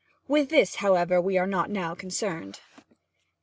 With this, however, we are not now concerned.